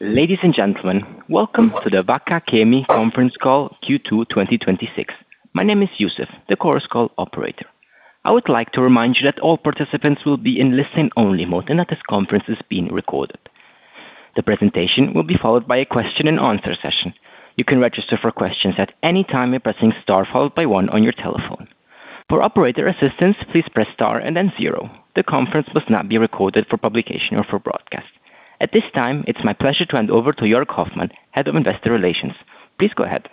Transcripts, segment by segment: Ladies and gentlemen, welcome to the Wacker Chemie conference call, Q2 2026. My name is Yusuf, the Chorus Call operator. I would like to remind you that all participants will be in listen-only mode and that this conference is being recorded. The presentation will be followed by a question-and-answer session. You can register for questions at any time by pressing star followed by one on your telephone. For operator assistance, please press star and then zero. The conference must not be recorded for publication or for broadcast. At this time, it is my pleasure to hand over to Jörg Hoffmann, Head of Investor Relations. Please go ahead.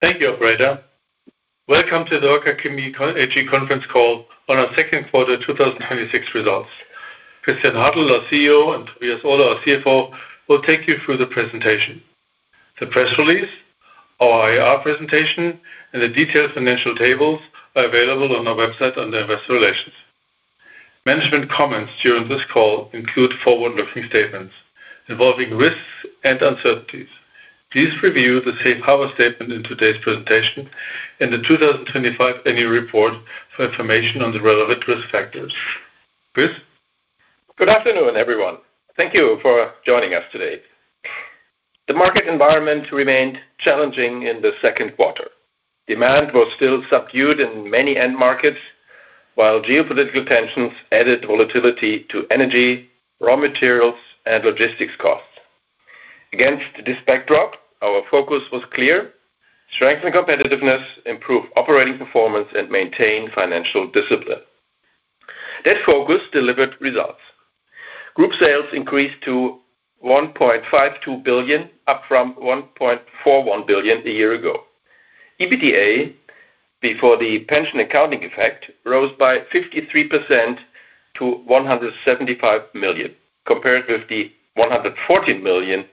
Thank you, operator. Welcome to the Wacker Chemie AG conference call on our second quarter 2026 results. Christian Hartel, our CEO, and Tobias Ohler, our CFO, will take you through the presentation. The press release, our IR presentation, and the detailed financial tables are available on our website under Investor Relations. Management comments during this call include forward-looking statements involving risks and uncertainties. Please review the safe harbor statement in today's presentation and the 2025 annual report for information on the relevant risk factors. Chris? Good afternoon, everyone. Thank you for joining us today. The market environment remained challenging in the second quarter. Demand was still subdued in many end markets, while geopolitical tensions added volatility to energy, raw materials, and logistics costs. Against this backdrop, our focus was clear: strengthen competitiveness, improve operating performance, and maintain financial discipline. That focus delivered results. Group sales increased to 1.52 billion, up from 1.41 billion a year ago. EBITDA, before the pension accounting effect, rose by 53% to 175 million, compared with the 114 million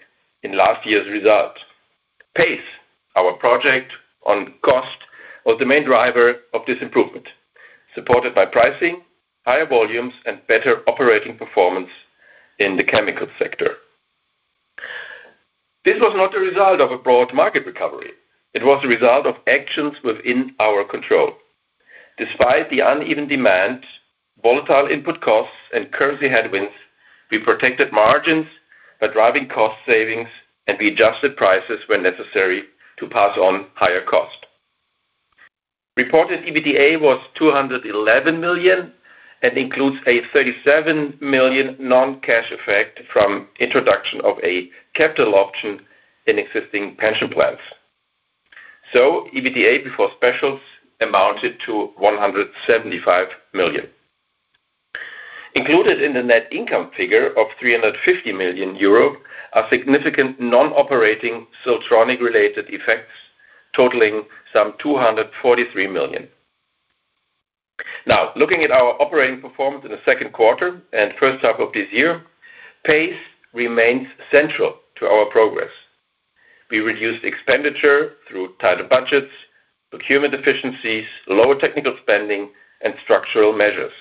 in last year's result. PACE, our project on cost, was the main driver of this improvement, supported by pricing, higher volumes, and better operating performance in the chemical sector. This was not a result of a broad market recovery. It was a result of actions within our control. Despite the uneven demand, volatile input costs, and currency headwinds, we protected margins by driving cost savings, and we adjusted prices when necessary to pass on higher cost. Reported EBITDA was 211 million and includes a 37 million non-cash effect from introduction of a capital option in existing pension plans. EBITDA before specials amounted to 175 million. Included in the net income figure of 350 million euro are significant non-operating Siltronic related effects totaling some 243 million. Now, looking at our operating performance in the second quarter and first half of this year, PACE remains central to our progress. We reduced expenditure through tighter budgets, procurement efficiencies, lower technical spending, and structural measures.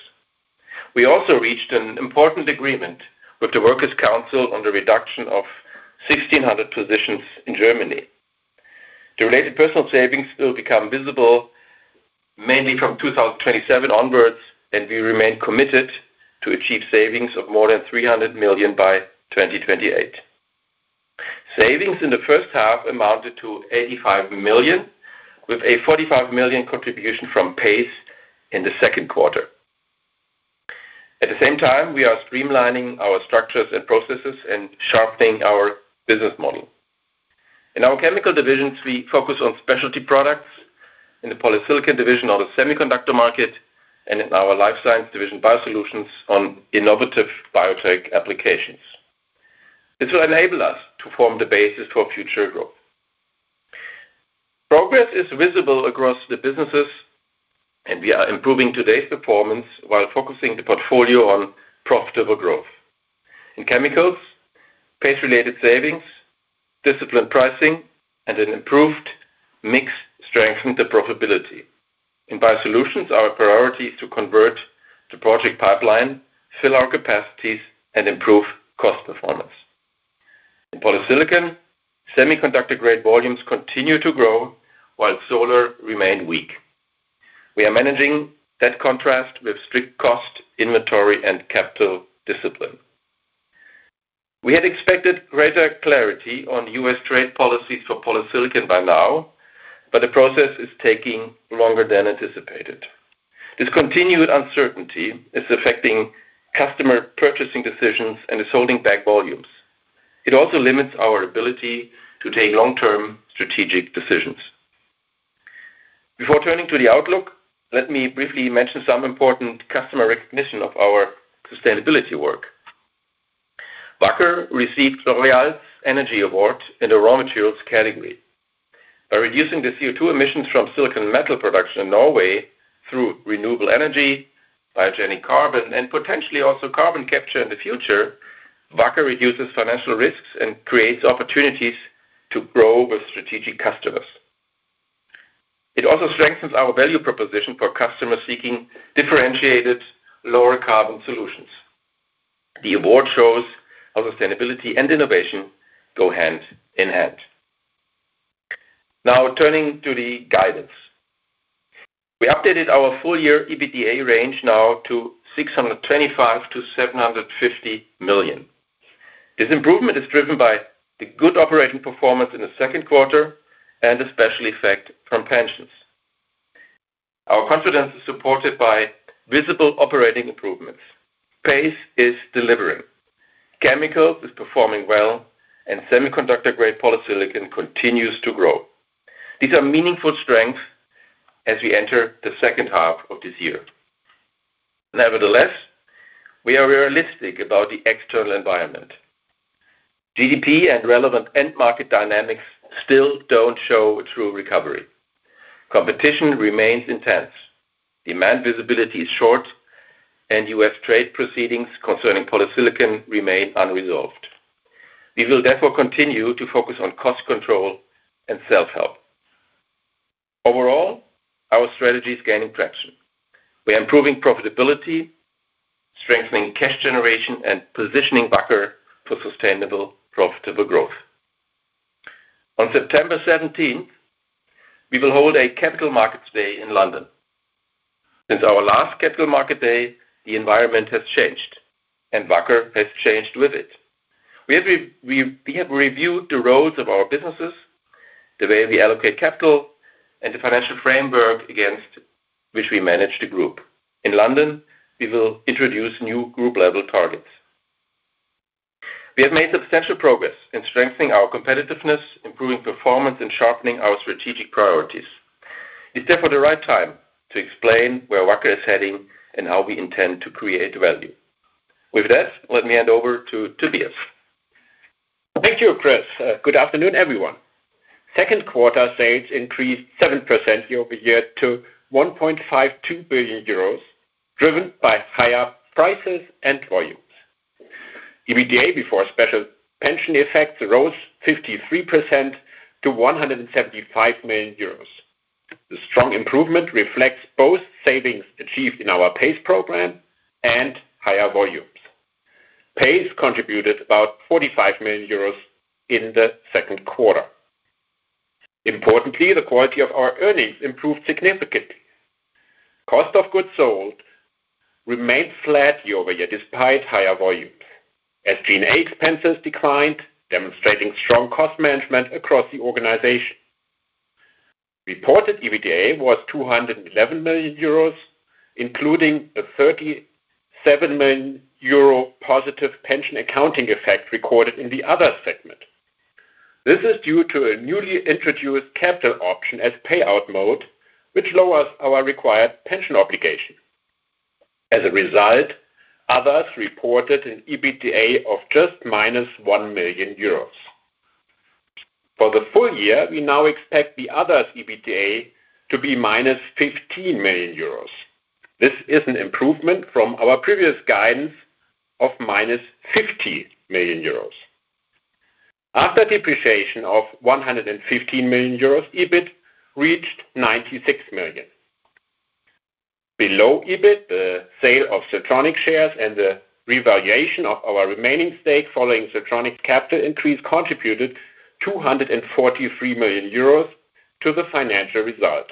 We also reached an important agreement with the Workers' Council on the reduction of 1,600 positions in Germany. The related personal savings will become visible mainly from 2027 onwards. We remain committed to achieve savings of more than 300 million by 2028. Savings in the first half amounted to 85 million, with a 45 million contribution from PACE in the second quarter. At the same time, we are streamlining our structures and processes and sharpening our business model. In our chemical divisions, we focus on specialty products, in the polysilicon division of the semiconductor market, and in our life science division, Biosolutions, on innovative biotech applications. This will enable us to form the basis for future growth. Progress is visible across the businesses. We are improving today's performance while focusing the portfolio on profitable growth. In chemicals, PACE-related savings, disciplined pricing, and an improved mix strengthened the profitability. In Biosolutions, our priority is to convert the project pipeline, fill our capacities, and improve cost performance. In polysilicon, semiconductor-grade volumes continue to grow while solar remain weak. We are managing that contrast with strict cost, inventory, and capital discipline. We had expected greater clarity on U.S. trade policies for polysilicon by now, but the process is taking longer than anticipated. This continued uncertainty is affecting customer purchasing decisions and is holding back volumes. It also limits our ability to take long-term strategic decisions. Before turning to the outlook, let me briefly mention some important customer recognition of our sustainability work. Wacker received L'Oréal's Energy Award in the raw materials category. By reducing the CO2 emissions from silicon metal production in Norway through renewable energy, biogenic carbon, and potentially also carbon capture in the future, Wacker reduces financial risks and creates opportunities to grow with strategic customers. It also strengthens our value proposition for customers seeking differentiated lower carbon solutions. The award shows how sustainability and innovation go hand in hand. Now turning to the guidance. We updated our full year EBITDA range now to 625 million-750 million. This improvement is driven by the good operating performance in the second quarter and a special effect from pensions. Our confidence is supported by visible operating improvements. PACE is delivering. Chemical is performing well. Semiconductor-grade polysilicon continues to grow. These are meaningful strengths as we enter the second half of this year. Nevertheless, we are realistic about the external environment. GDP and relevant end market dynamics still don't show a true recovery. Competition remains intense. Demand visibility is short. U.S. trade proceedings concerning polysilicon remain unresolved. We will therefore continue to focus on cost control and self-help. Overall, our strategy is gaining traction. We are improving profitability, strengthening cash generation, and positioning Wacker for sustainable, profitable growth. On September 17th, we will hold a Capital Markets Day in London. Since our last Capital Markets Day, the environment has changed, and Wacker has changed with it. We have reviewed the roles of our businesses, the way we allocate capital, and the financial framework against which we manage the group. In London, we will introduce new group-level targets. We have made substantial progress in strengthening our competitiveness, improving performance, and sharpening our strategic priorities. It's therefore the right time to explain where Wacker is heading and how we intend to create value. With that, let me hand over to Tobias. Thank you, Chris. Good afternoon, everyone. Second quarter sales increased 7% year-over-year to 1.52 billion euros, driven by higher prices and volumes. EBITDA before special pension effects rose 53% to 175 million euros. The strong improvement reflects both savings achieved in our PACE program and higher volumes. PACE contributed about 45 million euros in the second quarter. Importantly, the quality of our earnings improved significantly. Cost of goods sold remained flat year-over-year despite higher volume. SG&A expenses declined, demonstrating strong cost management across the organization. Reported EBITDA was 211 million euros, including a 37 million euro positive pension accounting effect recorded in the other segment. This is due to a newly introduced capital option as payout mode, which lowers our required pension obligation. As a result, others reported an EBITDA of just minus 1 million euros. For the full year, we now expect the other EBITDA to be minus 15 million euros. This is an improvement from our previous guidance of minus 50 million euros. After depreciation of 115 million euros, EBIT reached 96 million. Below EBIT, the sale of Siltronic shares and the revaluation of our remaining stake following Siltronic capital increase contributed 243 million euros to the financial result.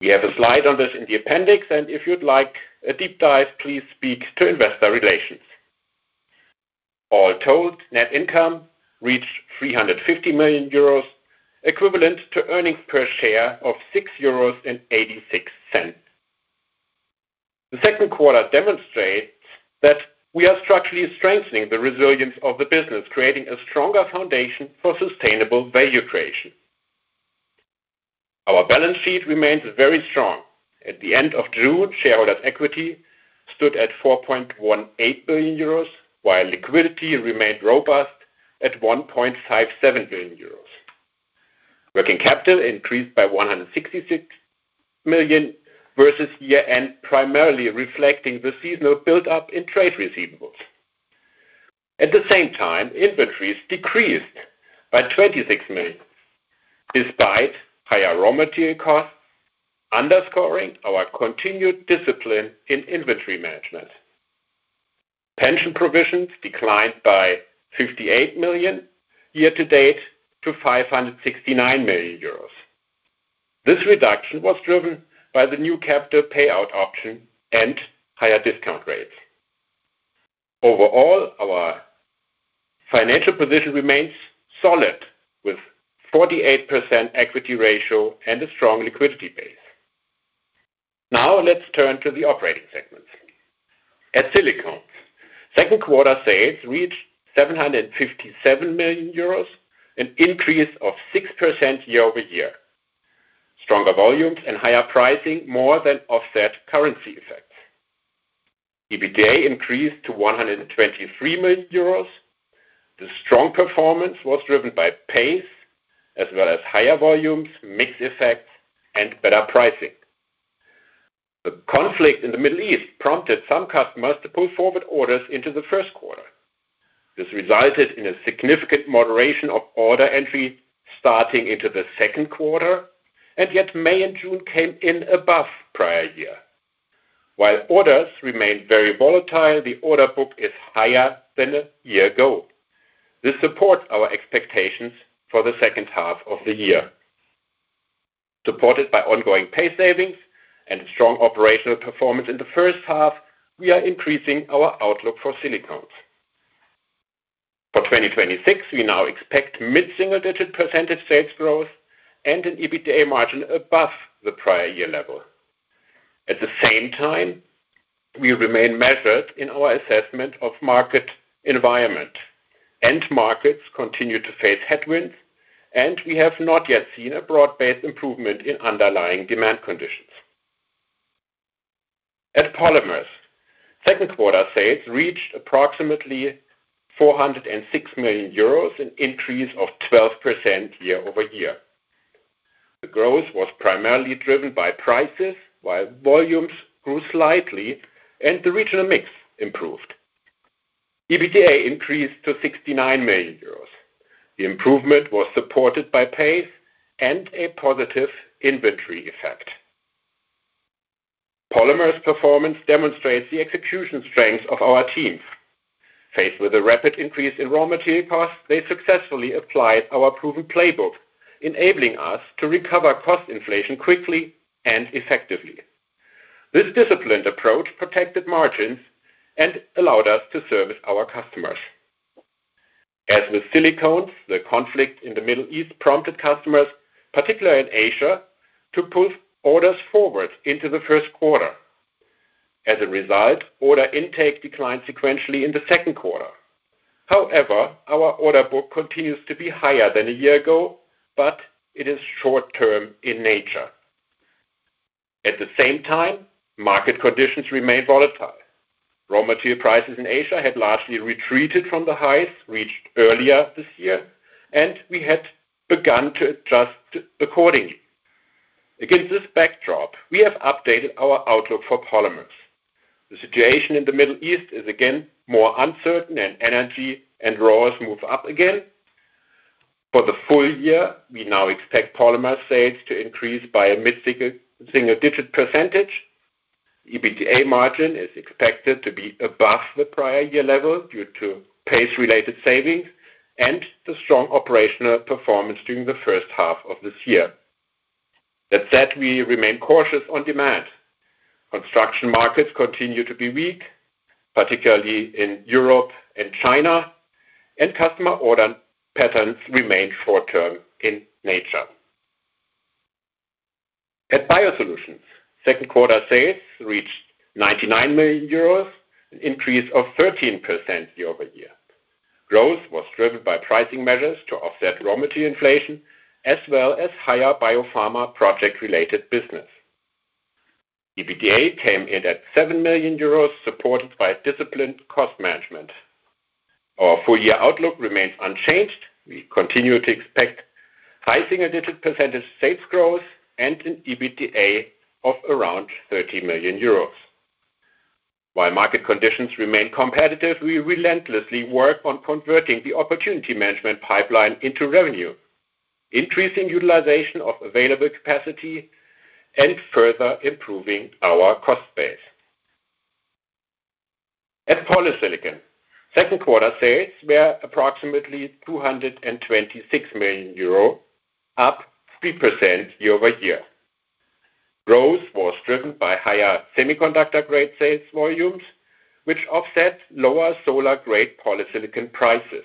We have a slide on this in the appendix, and if you'd like a deep dive, please speak to investor relations. All told, net income reached 350 million euros, equivalent to earnings per share of 6.86 euros. The second quarter demonstrate that we are structurally strengthening the resilience of the business, creating a stronger foundation for sustainable value creation. Our balance sheet remains very strong. At the end of June, shareholder equity stood at 4.18 billion euros, while liquidity remained robust at 1.57 billion euros. Working capital increased by 166 million versus year-end, primarily reflecting the seasonal buildup in trade receivables. At the same time, inventories decreased by 26 million, despite higher raw material costs, underscoring our continued discipline in inventory management. Pension provisions declined by 58 million year to date to 569 million euros. This reduction was driven by the new capital payout option and higher discount rates. Overall, our financial position remains solid, with 48% equity ratio and a strong liquidity base. Now, let's turn to the operating segments. At Silicones, second quarter sales reached 757 million euros, an increase of 6% year-over-year. Stronger volumes and higher pricing more than offset currency effects. EBITDA increased to 123 million euros. The strong performance was driven by PACE as well as higher volumes, mix effects, and better pricing. The conflict in the Middle East prompted some customers to pull forward orders into the first quarter. Yet May and June came in above prior year. While orders remain very volatile, the order book is higher than a year ago. This supports our expectations for the second half of the year. Supported by ongoing PACE savings and strong operational performance in the first half, we are increasing our outlook for Silicones. For 2026, we now expect mid-single digit percentage sales growth and an EBITDA margin above the prior year level. At the same time, we remain measured in our assessment of market environment. End markets continue to face headwinds, and we have not yet seen a broad-based improvement in underlying demand conditions. At Polymers, second quarter sales reached approximately 406 million euros, an increase of 12% year-over-year. The growth was primarily driven by prices while volumes grew slightly and the regional mix improved. EBITDA increased to 69 million euros. The improvement was supported by PACE and a positive inventory effect. Polymers performance demonstrates the execution strength of our team. Faced with a rapid increase in raw material costs, they successfully applied our proven playbook, enabling us to recover cost inflation quickly and effectively. This disciplined approach protected margins and allowed us to service our customers. As with Silicones, the conflict in the Middle East prompted customers, particularly in Asia, to pull orders forward into the first quarter. As a result, order intake declined sequentially in the second quarter. Our order book continues to be higher than a year ago, but it is short-term in nature. At the same time, market conditions remain volatile. Raw material prices in Asia had largely retreated from the highs reached earlier this year. Against this backdrop, we have updated our outlook for Polymers. The situation in the Middle East is again more uncertain, and energy and raws move up again. For the full year, we now expect Polymers sales to increase by a mid-single digit %. EBITDA margin is expected to be above the prior year level due to PACE-related savings and the strong operational performance during the first half of this year. That said, we remain cautious on demand. Construction markets continue to be weak, particularly in Europe and China, and customer order patterns remain short-term in nature. At Biosolutions, second quarter sales reached 99 million euros, an increase of 13% year-over-year. Growth was driven by pricing measures to offset raw material inflation, as well as higher biopharma project-related business. EBITDA came in at 7 million euros, supported by disciplined cost management. Our full-year outlook remains unchanged. We continue to expect high single-digit % sales growth and an EBITDA of around 30 million euros. While market conditions remain competitive, we relentlessly work on converting the opportunity management pipeline into revenue, increasing utilization of available capacity, and further improving our cost base. At Polysilicon, second quarter sales were approximately 226 million euro, up 3% year-over-year. Growth was driven by higher semiconductor-grade sales volumes, which offset lower solar-grade polysilicon prices.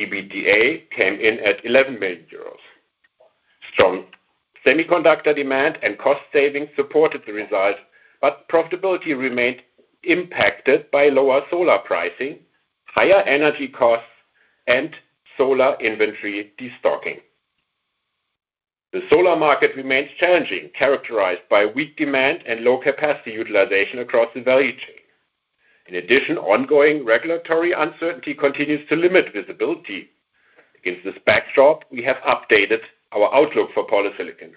EBITDA came in at 11 million euros. Strong semiconductor demand and cost savings supported the result, but profitability remained impacted by lower solar pricing, higher energy costs, and solar inventory destocking. The solar market remains challenging, characterized by weak demand and low capacity utilization across the value chain. In addition, ongoing regulatory uncertainty continues to limit visibility. Against this backdrop, we have updated our outlook for Polysilicon.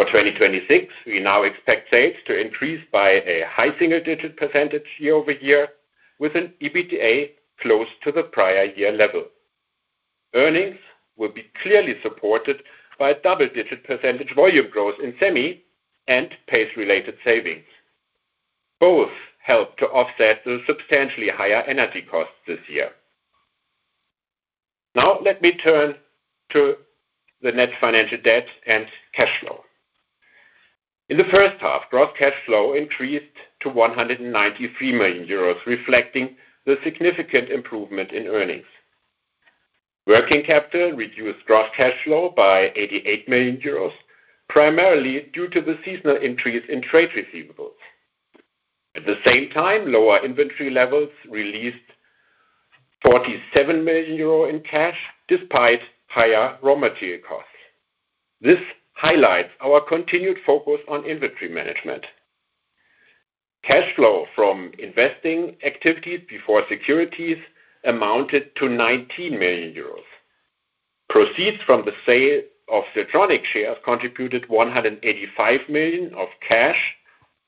For 2026, we now expect sales to increase by a high single digit % year-over-year with an EBITDA close to the prior year level. Earnings will be clearly supported by a double-digit % volume growth in semi and PACE-related savings. Both help to offset the substantially higher energy costs this year. Now let me turn to the net financial debt and cash flow. In the first half, gross cash flow increased to 193 million euros, reflecting the significant improvement in earnings. Working capital reduced gross cash flow by 88 million euros, primarily due to the seasonal increase in trade receivables. At the same time, lower inventory levels released 47 million euro in cash despite higher raw material costs. This highlights our continued focus on inventory management. Cash flow from investing activities before securities amounted to 19 million euros. Proceeds from the sale of Siltronic shares contributed 185 million of cash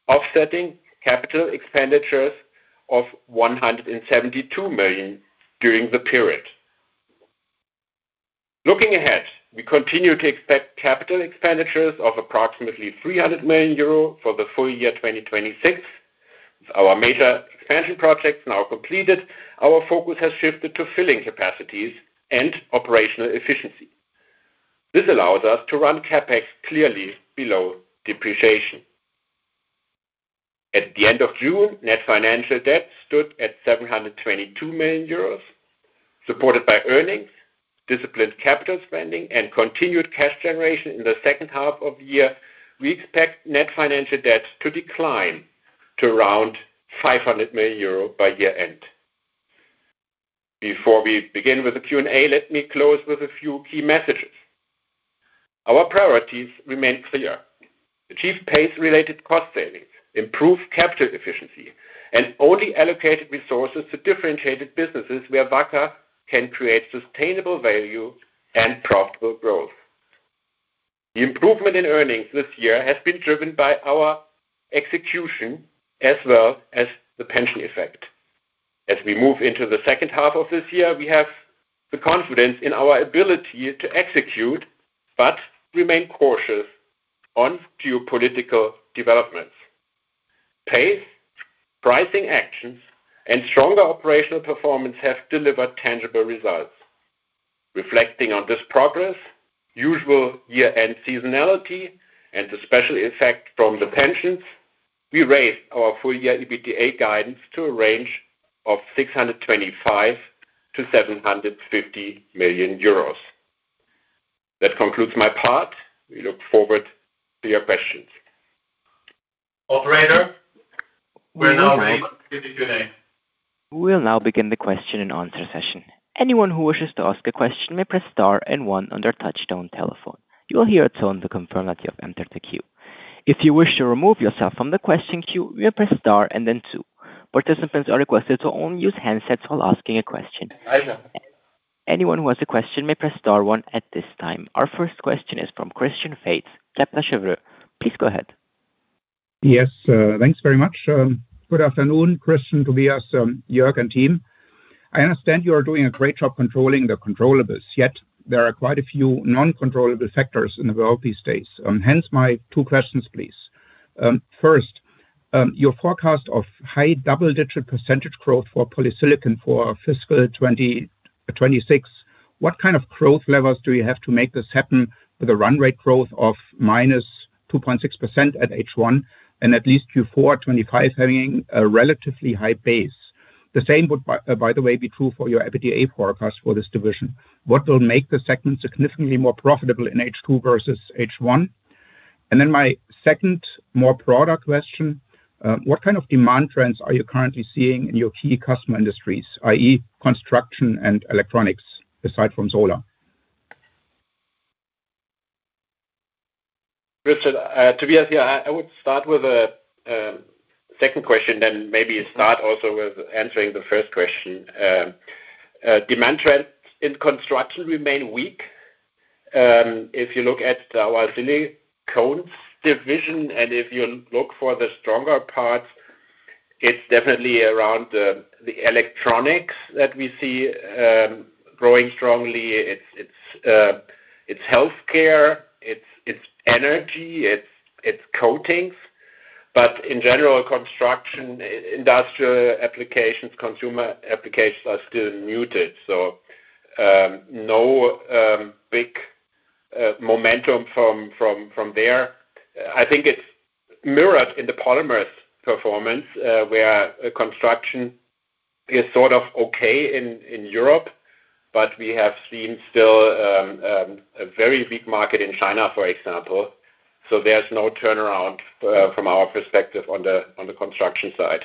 offsetting capital expenditures of 172 million during the period. Looking ahead, we continue to expect capital expenditures of approximately 300 million euro for the full year 2026. With our major expansion projects now completed, our focus has shifted to filling capacities and operational efficiency. This allows us to run CapEx clearly below depreciation. At the end of June, net financial debt stood at 722 million euros, supported by earnings, disciplined capital spending, and continued cash generation in the second half of the year. We expect net financial debt to decline to around 500 million euro by year-end. Before we begin with the Q&A, let me close with a few key messages. Our priorities remain clear: achieve PACE-related cost savings, improve capital efficiency, and only allocate resources to differentiated businesses where Wacker can create sustainable value and profitable growth. The improvement in earnings this year has been driven by our execution as well as the pension effect. As we move into the second half of this year, we have the confidence in our ability to execute but remain cautious on geopolitical developments. PACE, pricing actions, and stronger operational performance have delivered tangible results. Reflecting on this progress, usual year-end seasonality, and the special effect from the pensions, we raised our full-year EBITDA guidance to a range of 625 million-750 million euros. That concludes my part. We look forward to your questions. Operator. We are now open to Q&A. We will now begin the question and answer session. Anyone who wishes to ask a question may press star and one on their touchtone telephone. You will hear a tone to confirm that you have entered the queue. If you wish to remove yourself from the question queue, you may press star and then two. Participants are requested to only use handsets while asking a question. Either. Anyone who has a question may press star one at this time. Our first question is from Christian Faitz, Kepler Cheuvreux. Please go ahead. Yes. Thanks very much. Good afternoon, Christian, Tobias, Jörg, and team. I understand you are doing a great job controlling the controllables, yet there are quite a few non-controllable factors in the world these days. Hence my two questions, please. First, your forecast of high double-digit percentage growth for polysilicon for fiscal 2026, what kind of growth levels do you have to make this happen with a run rate growth of -2.6% at H1 and at least Q4 2025 having a relatively high base? The same would, by the way, be true for your EBITDA forecast for this division. What will make the segment significantly more profitable in H2 versus H1? My second, more broader question, what kind of demand trends are you currently seeing in your key customer industries, i.e., construction and electronics, aside from solar? Christian, Tobias here. I would start with the second question, then maybe start also with answering the first question. Demand trends in construction remain weak. If you look at our Silicones division and if you look for the stronger parts, it's definitely around the electronics that we see growing strongly. It's healthcare. It's energy. It's coatings. In general, construction, industrial applications, consumer applications are still muted. No big momentum from there. I think it's mirrored in the polymers performance, where construction is sort of okay in Europe, but we have seen still a very weak market in China, for example. There's no turnaround from our perspective on the construction side.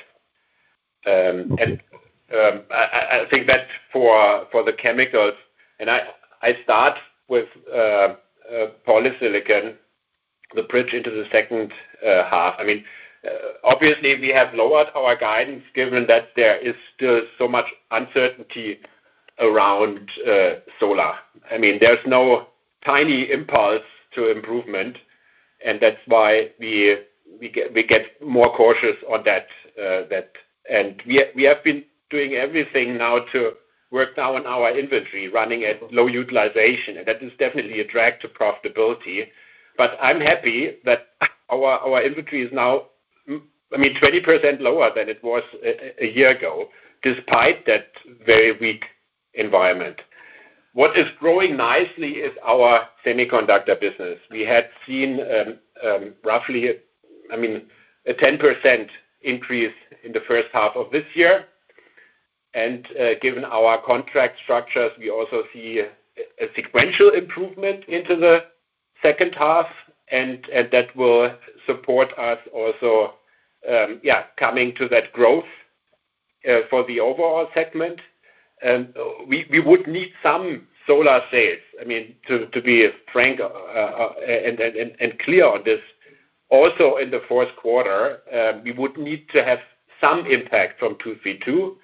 Okay. I think that for the chemicals, and I start with polysilicon, the bridge into the second half. Obviously, we have lowered our guidance given that there is still so much uncertainty around solar. There is no tiny impulse to improvement, and that is why we get more cautious on that. We have been doing everything now to work down on our inventory, running at low utilization, and that is definitely a drag to profitability. I am happy that our inventory is now 20% lower than it was a year ago, despite that very weak environment. What is growing nicely is our semiconductor business. We had seen roughly a 10% increase in the first half of this year. Given our contract structures, we also see a sequential improvement into the second half, and that will support us also coming to that growth for the overall segment. We would need some solar sales, to be frank and clear on this. In the fourth quarter, we would need to have some impact from 232.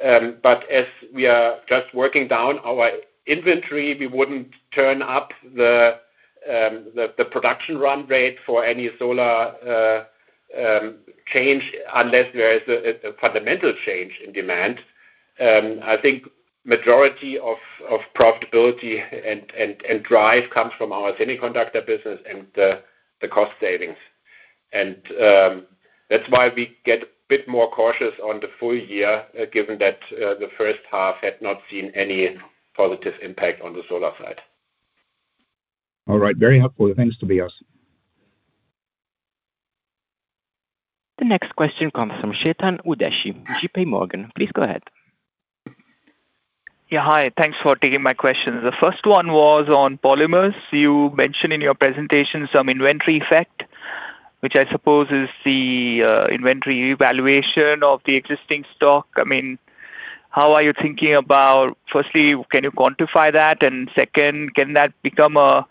As we are just working down our inventory, we would not turn up the production run rate for any solar change, unless there is a fundamental change in demand. I think majority of profitability and drive comes from our semiconductor business and the cost savings. That is why we get a bit more cautious on the full year, given that the first half had not seen any positive impact on the solar side. All right. Very helpful. Thanks, Tobias. The next question comes from Chetan Udeshi, JPMorgan. Please go ahead. Yeah. Hi. Thanks for taking my questions. The first one was on polymers. You mentioned in your presentation some inventory effect, which I suppose is the inventory evaluation of the existing stock. How are you thinking about firstly, can you quantify that? Second, can that become a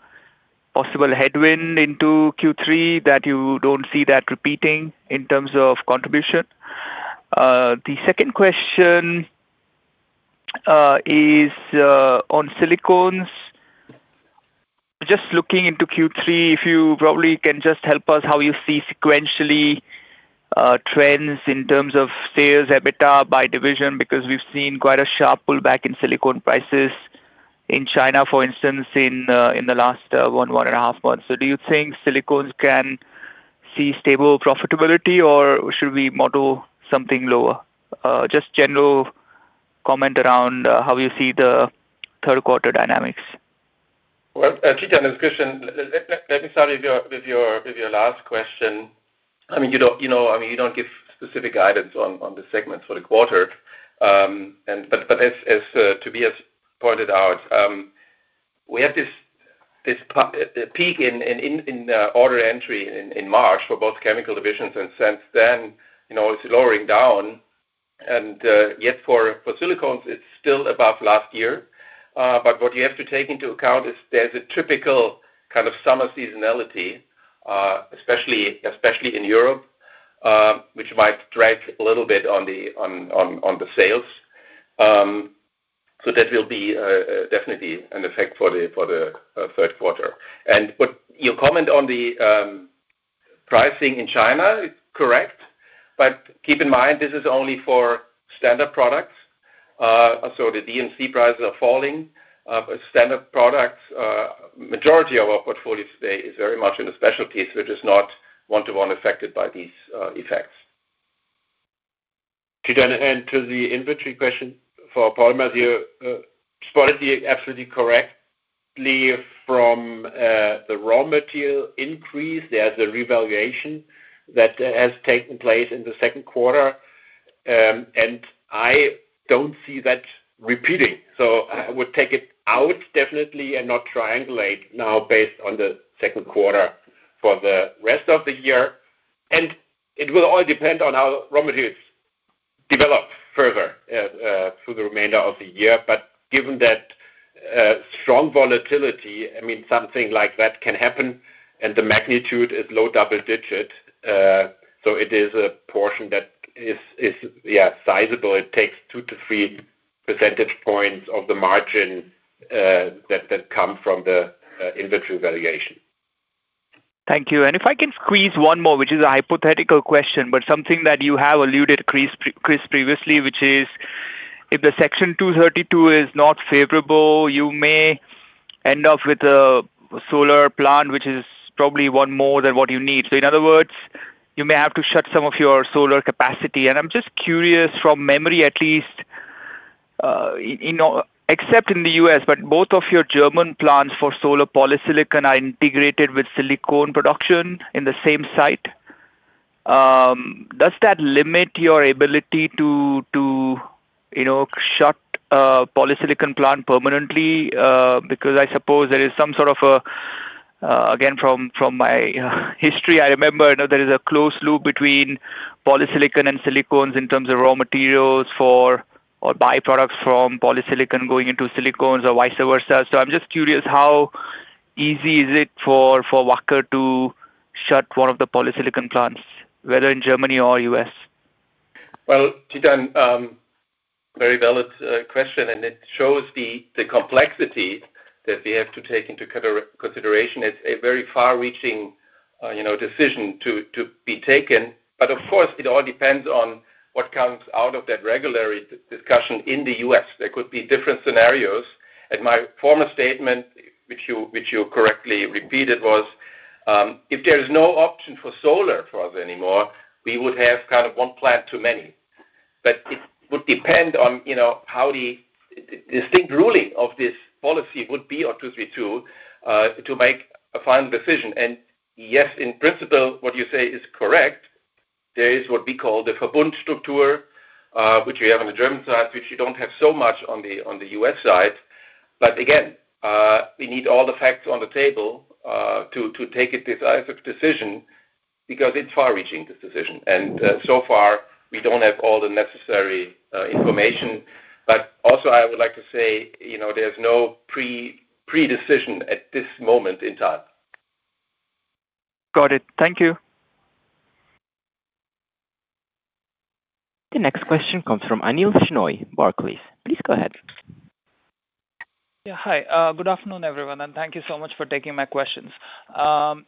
possible headwind into Q3 that you don't see that repeating in terms of contribution? The second question is on silicones. Just looking into Q3, if you probably can just help us how you see sequentially trends in terms of sales, EBITDA by division, because we've seen quite a sharp pullback in silicone prices in China, for instance, in the last one and a half months. Do you think silicones can see stable profitability, or should we model something lower? Just general comment around how you see the third quarter dynamics. Well, Chetan, good question. Let me start with your last question. You don't give specific guidance on the segments for the quarter, but as Tobias pointed out, we had this peak in order entry in March for both chemical divisions, and since then, it's lowering down. Yet for silicones, it's still above last year. What you have to take into account is there's a typical kind of summer seasonality, especially in Europe, which might drag a little bit on the sales. That will be definitely an effect for the third quarter. Your comment on the pricing in China, correct. Keep in mind, this is only for standard products. The DMC prices are falling. Standard products, majority of our portfolio today is very much in the specialties, which is not one-to-one affected by these effects. Chetan, to the inventory question for polymers, you spotted it absolutely correctly from the raw material increase. There's a revaluation that has taken place in the second quarter. I don't see that repeating. I would take it out definitely and not triangulate now based on the second quarter for the rest of the year. It will all depend on how raw materials develop further through the remainder of the year. Given that strong volatility, something like that can happen, and the magnitude is low double digit. It is a portion that is sizable. It takes two to three percentage points of the margin that come from the inventory valuation. Thank you. If I can squeeze one more, which is a hypothetical question. Something that you have alluded, Chris, previously, which is, if the Section 232 is not favorable, you may end up with a solar plant, which is probably one more than what you need. In other words, you may have to shut some of your solar capacity. I'm just curious from memory, at least, except in the U.S. Both of your German plants for solar polysilicon are integrated with silicone production in the same site. Does that limit your ability to shut a polysilicon plant permanently? I suppose there is some sort of a Again, from my history, I remember there is a closed-loop between polysilicon and silicones in terms of raw materials for/or byproducts from polysilicon going into silicones or vice versa. I'm just curious, how easy is it for Wacker to shut one of the polysilicon plants, whether in Germany or the U.S.? Well, Chetan, very valid question, it shows the complexity that we have to take into consideration. It's a very far-reaching decision to be taken. Of course, it all depends on what comes out of that regulatory discussion in the U.S. There could be different scenarios. My former statement, which you correctly repeated, was, if there is no option for solar for us anymore, we would have one plant too many. It would depend on how the distinct ruling of this policy would be on 232 to make a final decision. Yes, in principle, what you say is correct. There is what we call the Verbundstruktur which we have on the German side, which you don't have so much on the U.S. side. Again, we need all the facts on the table to take a decisive decision because it's far-reaching, this decision. So far, we don't have all the necessary information. Also, I would like to say, there's no pre-decision at this moment in time. Got it. Thank you. The next question comes from Anil Shenoy, Barclays. Please go ahead. Hi. Good afternoon, everyone, and thank you so much for taking my questions.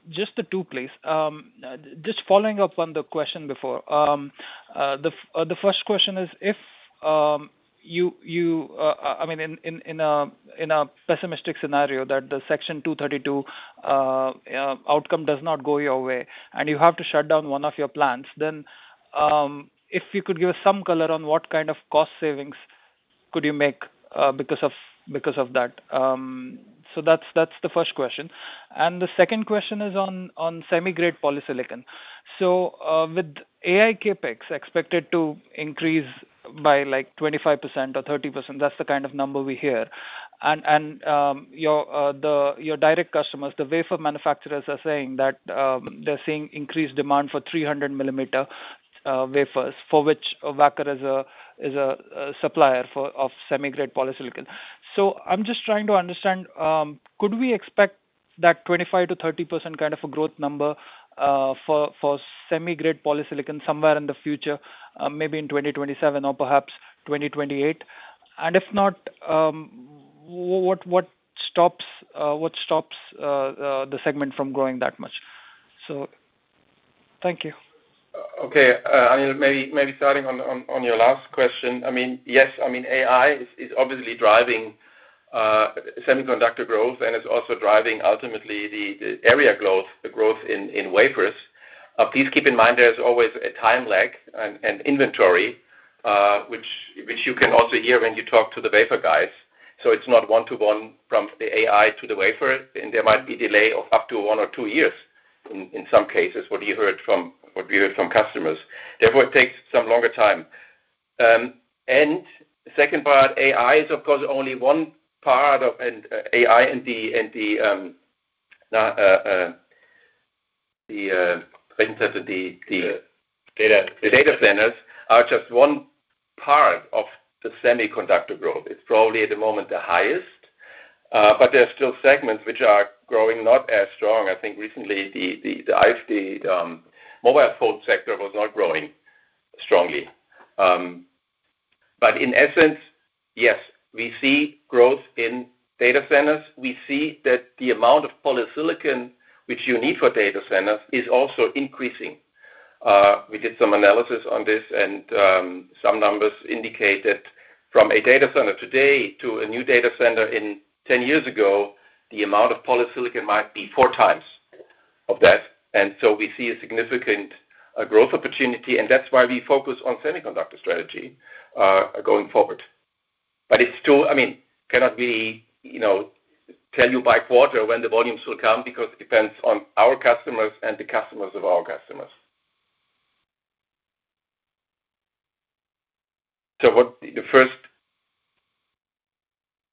Just the two, please. Just following up on the question before. The first question is, in a pessimistic scenario that the Section 232 outcome does not go your way and you have to shut down one of your plants, if you could give us some color on what kind of cost savings could you make because of that. That's the first question. The second question is on semi-grade polysilicon. With AI CapEx expected to increase by 25% or 30%, that's the kind of number we hear. Your direct customers, the wafer manufacturers, are saying that they're seeing increased demand for 300-millimeter wafers, for which Wacker is a supplier of semi-grade polysilicon. I'm just trying to understand, could we expect that 25%-30% kind of a growth number for semi-grade polysilicon somewhere in the future, maybe in 2027 or perhaps 2028? If not, what stops the segment from growing that much? Thank you. Anil, maybe starting on your last question. Yes, AI is obviously driving semiconductor growth, and it's also driving, ultimately, the area growth, the growth in wafers. Please keep in mind, there's always a time lag and inventory, which you can also hear when you talk to the wafer guys. It's not one-to-one from the AI to the wafer. There might be delay of up to one or two years in some cases, what we heard from customers. Therefore, it takes some longer time. Second part, AI is, of course, only one part of AI and the data centers are just one part of the semiconductor growth. It's probably, at the moment, the highest. There are still segments which are growing not as strong. I think recently, the mobile phone sector was not growing strongly. In essence, yes, we see growth in data centers. We see that the amount of polysilicon which you need for data centers is also increasing. We did some analysis on this, and some numbers indicate that from a data center today to a new data center in 10 years ago, the amount of polysilicon might be four times of that. We see a significant growth opportunity, and that's why we focus on semiconductor strategy going forward. I cannot tell you by quarter when the volumes will come, because it depends on our customers and the customers of our customers. The first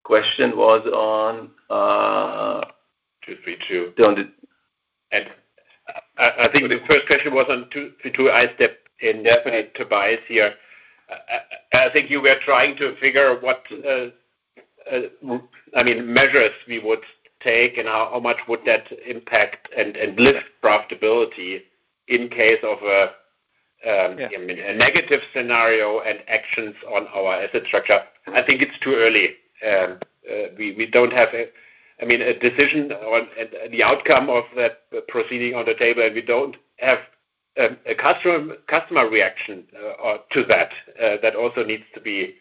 question was on 232. I think the first question was on two. I stepped in, definitely. Tobias here. I think you were trying to figure what measures we would take and how much would that impact and lift profitability in case of a negative scenario and actions on our asset structure. I think it's too early. We don't have a decision on the outcome of that proceeding on the table, and we don't have a customer reaction to that. That also needs to be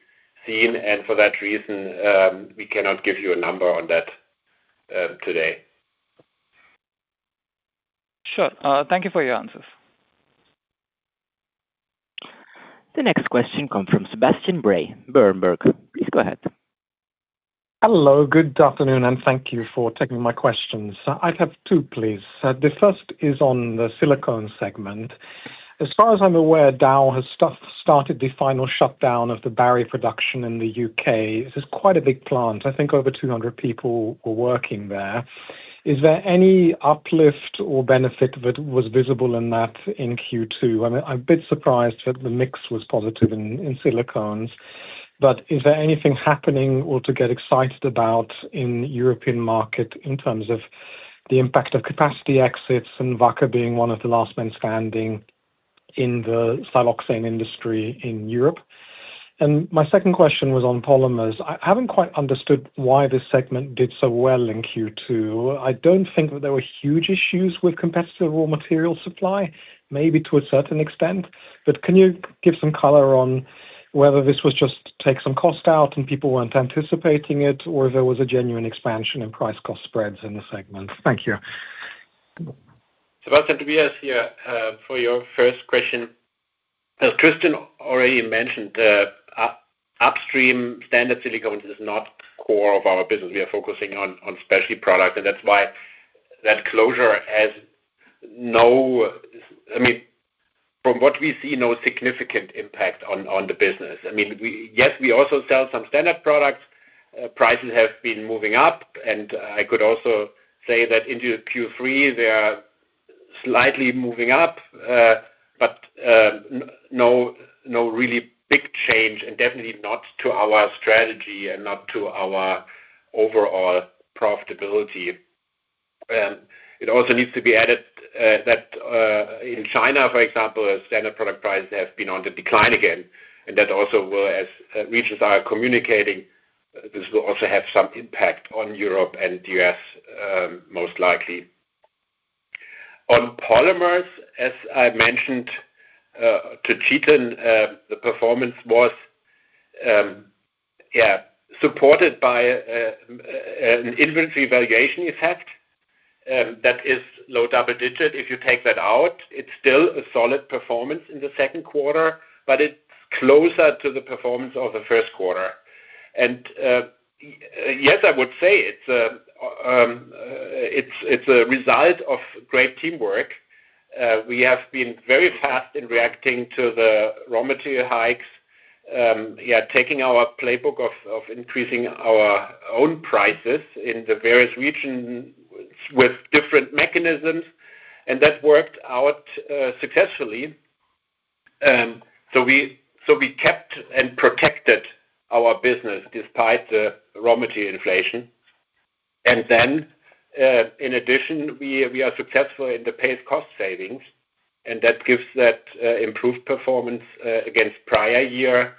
seen, and for that reason, we cannot give you a number on that today. Sure. Thank you for your answers. The next question comes from Sebastian Bray, Berenberg. Please go ahead. Hello, good afternoon, and thank you for taking my questions. I have two, please. The first is on the silicone segment. As far as I'm aware, Dow has started the final shutdown of the Barry production in the U.K. This is quite a big plant. I think over 200 people were working there. Is there any uplift or benefit that was visible in that in Q2? I'm a bit surprised that the mix was positive in silicones. Is there anything happening or to get excited about in European market in terms of the impact of capacity exits and Wacker Chemie being one of the last men standing in the siloxane industry in Europe? My second question was on polymers. I haven't quite understood why this segment did so well in Q2. I don't think that there were huge issues with competitive raw material supply, maybe to a certain extent. Can you give some color on whether this was just take some cost out and people weren't anticipating it, or there was a genuine expansion in price cost spreads in the segment? Thank you. Sebastian, Tobias here. For your first question, as Christian already mentioned, upstream standard silicones is not core of our business. We are focusing on specialty product, and that's why that closure has, from what we see, no significant impact on the business. Yes, we also sell some standard products. Prices have been moving up, and I could also say that into Q3, they are slightly moving up. No really big change, and definitely not to our strategy and not to our overall profitability. It also needs to be added that in China, for example, standard product prices have been on the decline again. That also will, as regions are communicating, this will also have some impact on Europe and U.S., most likely. On polymers, as I mentioned, to Chetan, the performance was supported by an inventory valuation effect that is low double-digit. If you take that out, it's still a solid performance in the second quarter, but it's closer to the performance of the first quarter. Yes, I would say it's a result of great teamwork. We have been very fast in reacting to the raw material hikes, taking our playbook of increasing our own prices in the various regions with different mechanisms, and that worked out successfully. We kept and protected our business despite the raw material inflation. In addition, we are successful in the PACE cost savings, and that gives that improved performance against prior year,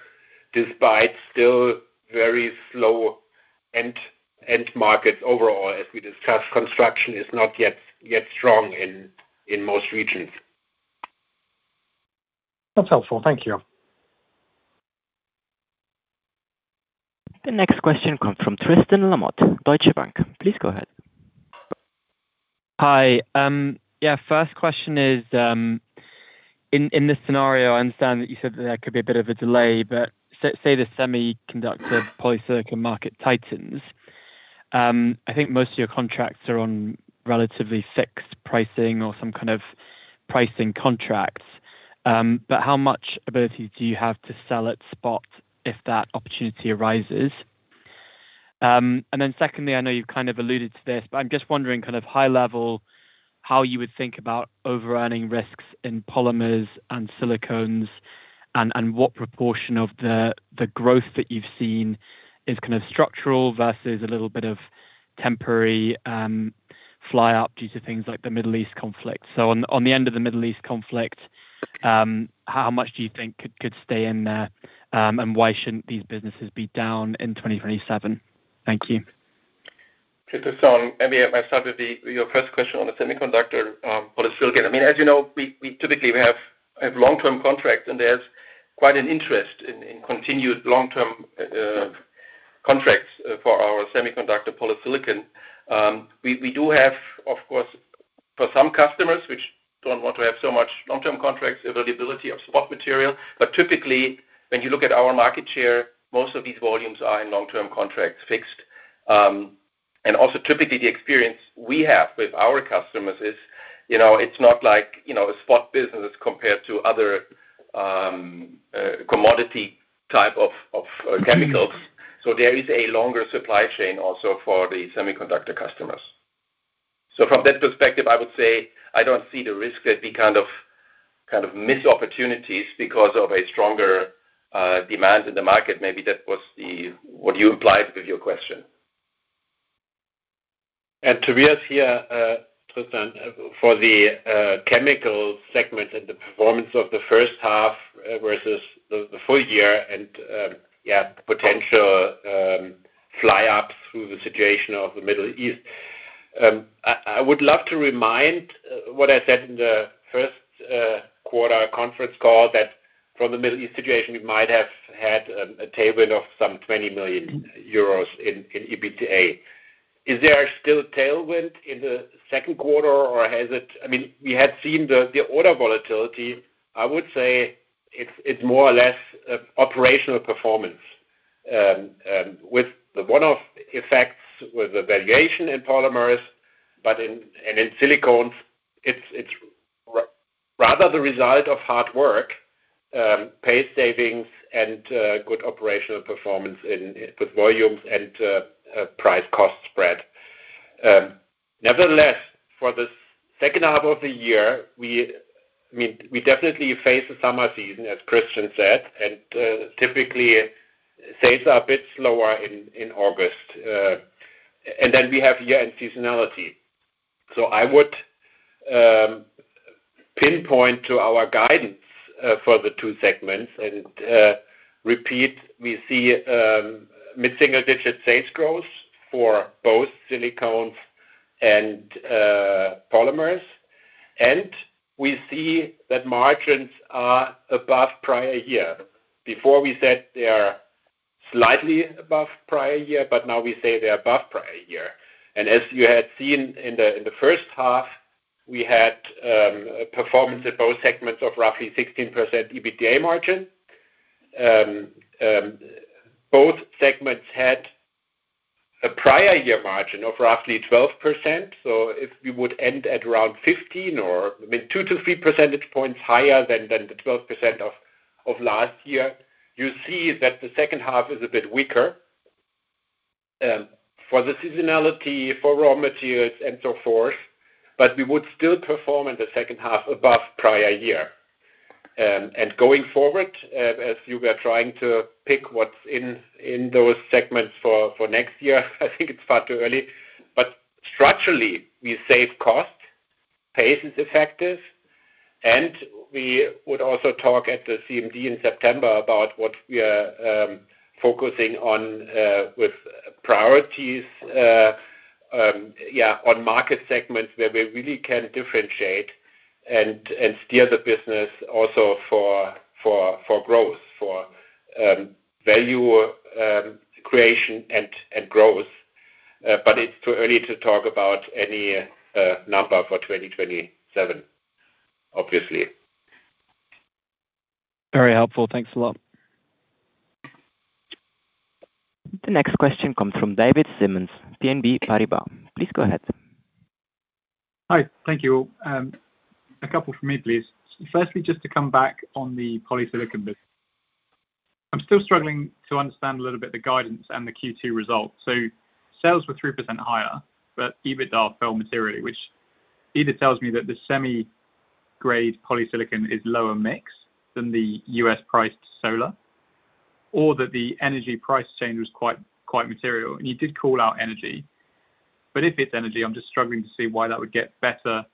despite still very slow end market overall. As we discussed, construction is not yet strong in most regions. That's helpful. Thank you. The next question comes from Tristan Lamotte, Deutsche Bank. Please go ahead. Hi. Yeah. First question is, in this scenario, I understand that you said that there could be a bit of a delay, but say the semiconductor polysilicon market tightens. I think most of your contracts are on relatively fixed pricing or some kind of pricing contracts. How much ability do you have to sell at spot if that opportunity arises? Secondly, I know you've kind of alluded to this, but I'm just wondering kind of high level, how you would think about overrunning risks in polymers and silicones and what proportion of the growth that you've seen is kind of structural versus a little bit of temporary fly up due to things like the Middle East conflict. On the end of the Middle East conflict, how much do you think could stay in there? Why shouldn't these businesses be down in 2027? Thank you. Tristan, maybe I start with your first question on the semiconductor polysilicon. As you know, we typically have long-term contracts, there's quite an interest in continued long-term contracts for our semiconductor polysilicon. We do have, of course, for some customers, which don't want to have so much long-term contracts, availability of spot material. Typically, when you look at our market share, most of these volumes are in long-term contracts fixed. Typically, the experience we have with our customers is it's not like a spot business compared to other commodity type of chemicals. There is a longer supply chain also for the semiconductor customers. From that perspective, I would say I don't see the risk that we kind of miss opportunities because of a stronger demand in the market. Maybe that was what you implied with your question. Tobias, Tristan, for the chemicals segment and the performance of the first half versus the full year and potential fly up through the situation of the Middle East. I would love to remind what I said in the first quarter conference call that from the Middle East situation, we might have had a tailwind of some 20 million euros in EBITDA. Is there still tailwind in the second quarter, or has it We had seen the order volatility. I would say it's more or less operational performance. With the one-off effects, with the valuation in polymers, and in silicones, it's rather the result of hard work, paid savings, and good operational performance with volumes and price cost spread. Nevertheless, for the second half of the year, we definitely face the summer season, as Christian said, typically, sales are a bit slower in August. Then we have year-end seasonality. I would pinpoint to our guidance for the two segments and repeat, we see mid-single-digit sales growth for both silicones and polymers. We see that margins are above prior year. Before we said they are slightly above prior year, now we say they're above prior year. As you had seen in the first half, we had performance in both segments of roughly 16% EBITDA margin. Both segments had a prior year margin of roughly 12%. If we would end at around 15% or two to three percentage points higher than the 12% of last year, you see that the second half is a bit weaker for the seasonality, for raw materials, and so forth. We would still perform in the second half above prior year. Going forward, as you were trying to pick what's in those segments for next year, I think it's far too early. Structurally, we save costs, PACE is effective, and we would also talk at the CMD in September about what we are focusing on with priorities on market segments where we really can differentiate and steer the business also for growth, for value creation and growth. It's too early to talk about any number for 2027, obviously. Very helpful. Thanks a lot. The next question comes from David Symonds, BNP Paribas. Please go ahead. Hi. Thank you. A couple from me, please. Firstly, just to come back on the polysilicon business. I'm still struggling to understand a little bit the guidance and the Q2 results. Sales were 3% higher, but EBITDA fell materially, which either tells me that the semiconductor-grade polysilicon is lower mix than the U.S. priced solar or that the energy price change was quite material. You did call out energy. If it's energy, I'm just struggling to see why that would get better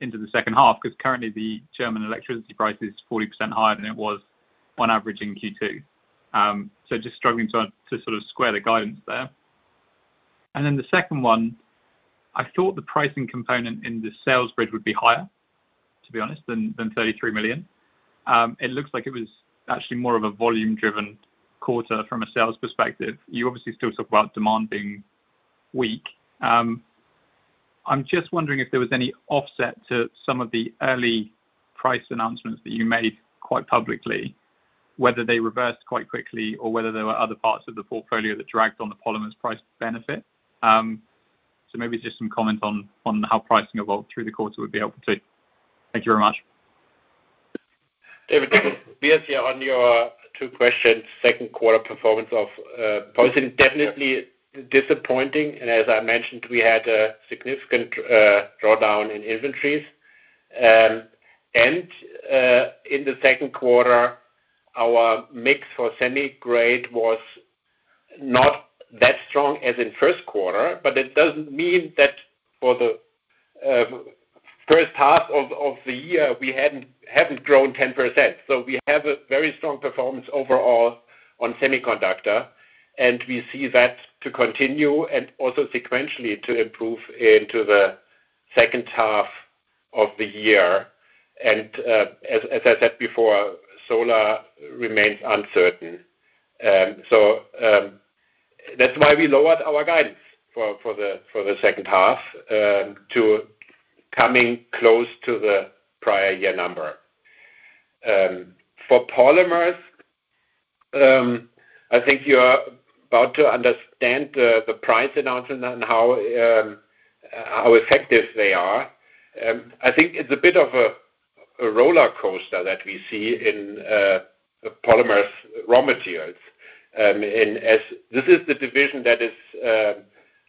into the second half, because currently the German electricity price is 40% higher than it was on average in Q2. Just struggling to square the guidance there. The second one, I thought the pricing component in the sales bridge would be higher, to be honest, than 33 million. It looks like it was actually more of a volume-driven quarter from a sales perspective. You obviously still talk about demand being weak. I'm just wondering if there was any offset to some of the early price announcements that you made quite publicly, whether they reversed quite quickly or whether there were other parts of the portfolio that dragged on the price benefit. Maybe just some comment on how pricing evolved through the quarter would be helpful, too. Thank you very much. David, Tobias here on your two questions. Second quarter performance of [poison], definitely disappointing. As I mentioned, we had a significant drawdown in inventories. In the second quarter, our mix for semi-grade was not that strong as in first quarter, but it doesn't mean that for the first half of the year, we haven't grown 10%. We have a very strong performance overall on semiconductor, and we see that to continue and also sequentially to improve into the second half of the year. As I said before, solar remains uncertain. That's why we lowered our guidance for the second half, to coming close to the prior year number. For polymers, I think you are about to understand the price announcement and how effective they are. I think it's a bit of a roller coaster that we see in polymers raw materials. As this is the division that is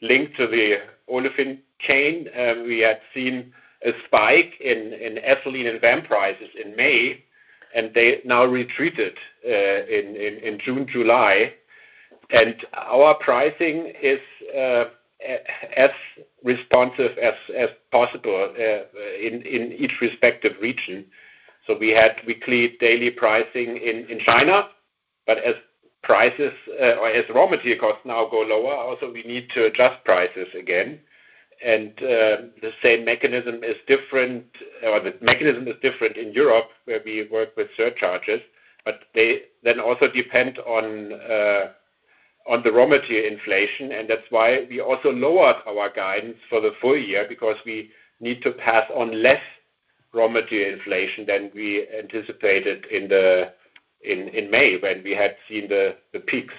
linked to the olefin chain, we had seen a spike in ethylene and van prices in May, and they now retreated in June, July. Our pricing is as responsive as possible in each respective region. We had weekly daily pricing in China, but as raw material costs now go lower, also we need to adjust prices again. The mechanism is different in Europe, where we work with surcharges, but they then also depend on the raw material inflation, and that's why we also lowered our guidance for the full year because we need to pass on less raw material inflation than we anticipated in May when we had seen the peaks.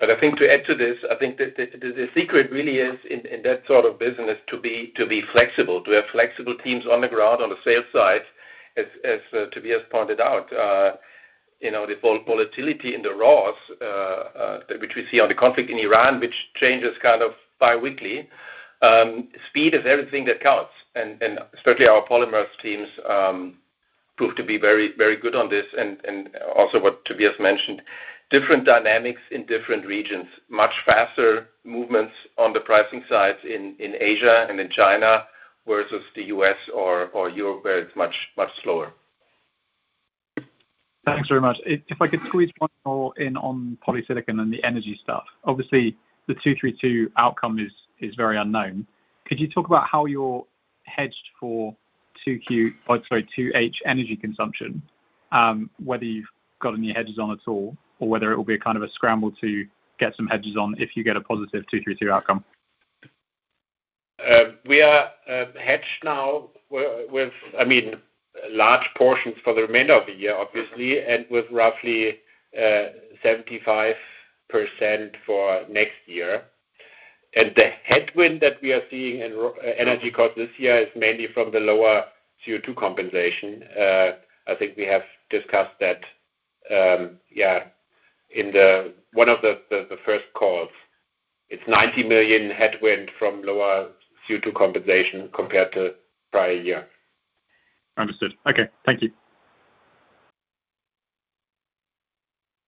I think to add to this, I think the secret really is in that sort of business to be flexible, to have flexible teams on the ground on the sales side. As Tobias pointed out, the volatility in the raws, which we see on the conflict in Iran, which changes kind of biweekly, speed is everything that counts. Certainly our polymers teams prove to be very good on this and also what Tobias mentioned, different dynamics in different regions, much faster movements on the pricing side in Asia and in China, versus the U.S. or Europe where it's much slower. Thanks very much. If I could squeeze one more in on polysilicon and the energy stuff. Obviously, the 2-3-2 outcome is very unknown. Could you talk about how you're hedged for 2H energy consumption, whether you've got any hedges on at all, or whether it will be a scramble to get some hedges on if you get a positive two-three outcome? We are hedged now with large portions for the remainder of the year, obviously, and with roughly 75% for next year. The headwind that we are seeing in energy cost this year is mainly from the lower CO2 compensation. I think we have discussed that in one of the first calls It's 90 million headwind from lower CO2 compensation compared to prior year. Understood. Okay. Thank you.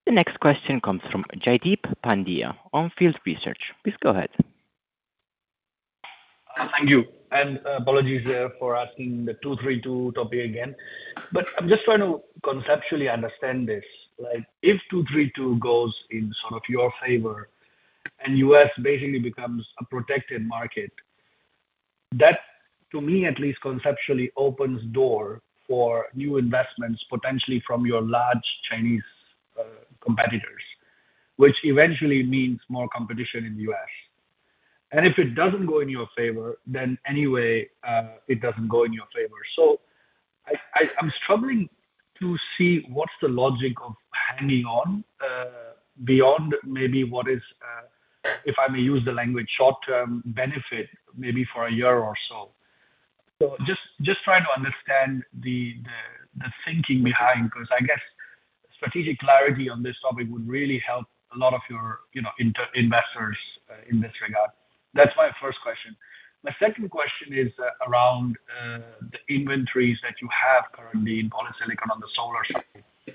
The next question comes from Jaideep Pandya, On Field Research. Please go ahead. Thank you. Apologies for asking the 2-3-2 topic again, but I'm just trying to conceptually understand this. If 2-3-2 goes in sort of your favor and U.S. basically becomes a protected market, that, to me at least, conceptually opens door for new investments, potentially from your large Chinese competitors, which eventually means more competition in the U.S. If it doesn't go in your favor, then anyway, it doesn't go in your favor. I'm struggling to see what's the logic of hanging on, beyond maybe what is, if I may use the language, short-term benefit, maybe for a year or so. Just trying to understand the thinking behind, because I guess strategic clarity on this topic would really help a lot of your investors in this regard. That's my first question. My second question is around the inventories that you have currently in polysilicon on the solar side,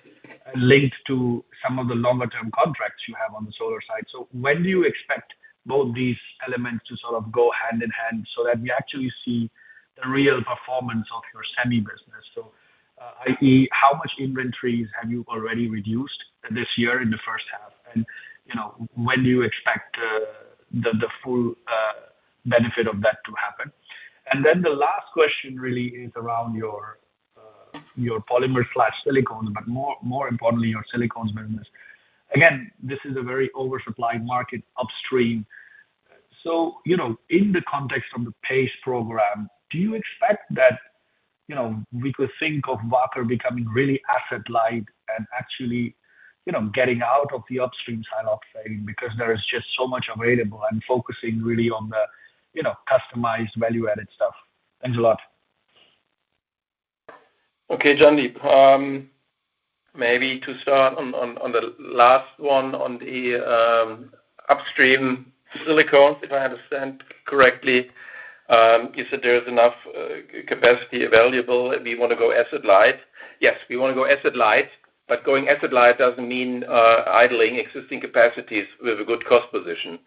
linked to some of the longer term contracts you have on the solar side. When do you expect both these elements to sort of go hand in hand so that we actually see the real performance of your semi business? I.e., how much inventories have you already reduced this year in the first half? When do you expect the full benefit of that to happen? The last question really is around your polymer/silicone, but more importantly, your silicones business. Again, this is a very oversupplied market upstream. In the context of the PACE program, do you expect that we could think of Wacker becoming really asset light and actually getting out of the upstream siloxane because there is just so much available and focusing really on the customized value-added stuff. Thanks a lot. Okay, Jaideep. Maybe to start on the last one on the upstream silicone. If I understand correctly, you said there's enough capacity available and we want to go asset light. Yes, we want to go asset light, but going asset light doesn't mean idling existing capacities with a good cost position.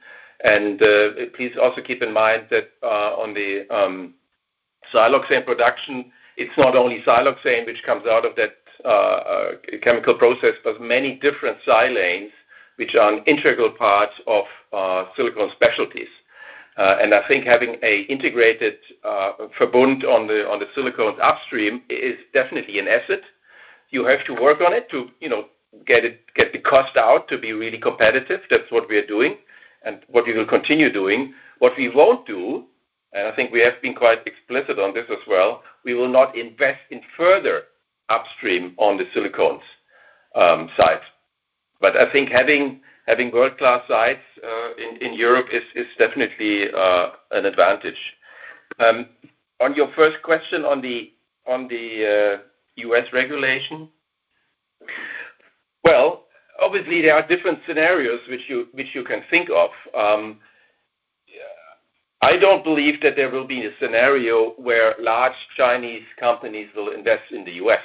Please also keep in mind that on the siloxane production, it's not only siloxane which comes out of that chemical process, but many different silanes, which are an integral part of silicone specialties. I think having a integrated verbund on the silicone upstream is definitely an asset. You have to work on it to get the cost out to be really competitive. That's what we are doing, and what we will continue doing. What we won't do, I think we have been quite explicit on this as well, we will not invest in further upstream on the silicones side. I think having world-class sites in Europe is definitely an advantage. On your first question on the U.S. regulation. Obviously there are different scenarios which you can think of. I don't believe that there will be a scenario where large Chinese companies will invest in the U.S.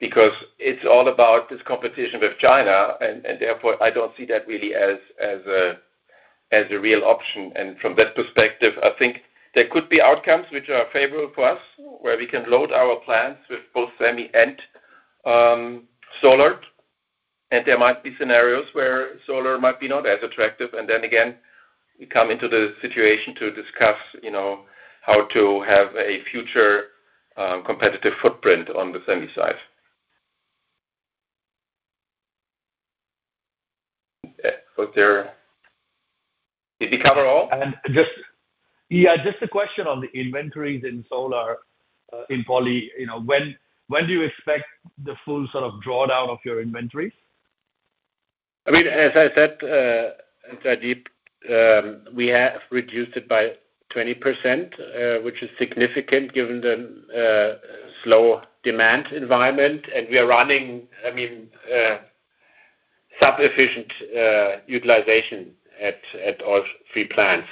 It's all about this competition with China, therefore, I don't see that really as a real option. From that perspective, I think there could be outcomes which are favorable for us, where we can load our plants with both semi and solar. There might be scenarios where solar might be not as attractive, then again, we come into the situation to discuss how to have a future competitive footprint on the semi side. Did we cover all? Yeah, just a question on the inventories in solar, in poly. When do you expect the full sort of drawdown of your inventories? I mean, as I said, Jaideep, we have reduced it by 20%, which is significant given the slow demand environment, and we are running sub-efficient utilization at all three plants.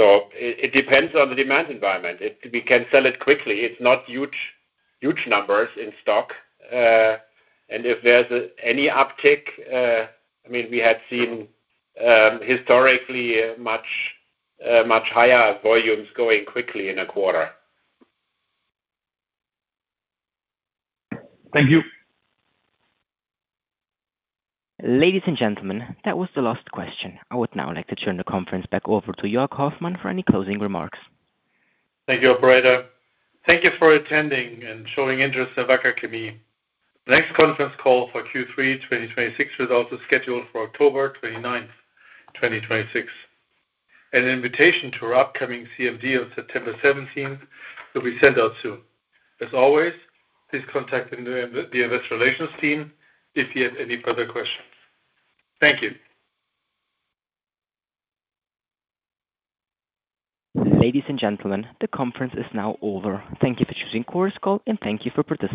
It depends on the demand environment. If we can sell it quickly, it's not huge numbers in stock. If there's any uptick, I mean, we had seen historically much higher volumes going quickly in a quarter. Thank you. Ladies and gentlemen, that was the last question. I would now like to turn the conference back over to Jörg Hoffmann for any closing remarks. Thank you, operator. Thank you for attending and showing interest in Wacker Chemie. The next conference call for Q3 2026 is also scheduled for October 29th, 2026. An invitation to our upcoming CMD on September 17th will be sent out soon. As always, please contact the investor relations team if you have any further questions. Thank you. Ladies and gentlemen, the conference is now over. Thank you for choosing Chorus Call, and thank you for participating.